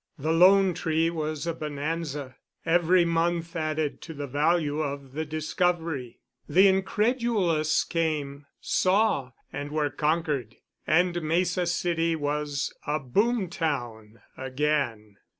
The "Lone Tree" was a bonanza. Every month added to the value of the discovery. The incredulous came, saw, and were conquered, and Mesa City was a "boom town" again.